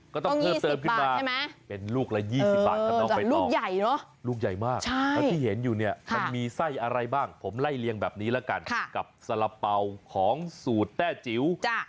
ก็ต้องเพิ่มเติมขึ้นมาใช่ไหมเป็นลูกละ๒๐บาทครับน้องใบลูกใหญ่มากแล้วที่เห็นอยู่เนี่ยมันมีไส้อะไรบ้างผมไล่เลียงแบบนี้ละกันกับสละเป๋าของสูตรแต้จิ๋ว